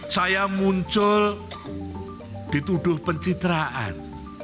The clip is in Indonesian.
saya muncul dituduh pencitraan